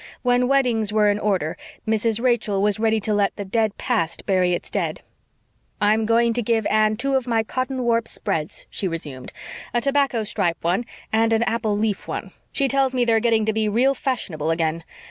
When weddings were in order Mrs. Rachel was ready to let the dead past bury its dead. "I'm going to give Anne two of my cotton warp spreads," she resumed. "A tobacco stripe one and an apple leaf one. She tells me they're getting to be real fashionable again.